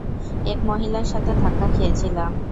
এক মহিলার সাথে ধাক্কা খেয়েছিলাম।